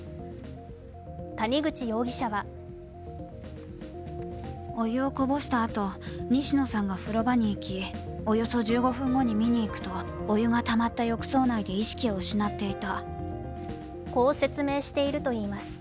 谷口容疑者はこう説明しているといいます。